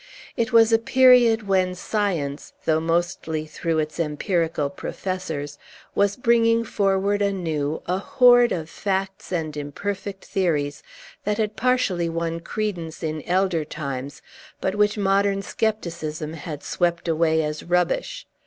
It was a period when science (though mostly through its empirical professors) was bringing forward, anew, a hoard of facts and imperfect theories, that had partially won credence in elder times, but which modern scepticism had swept away as rubbish.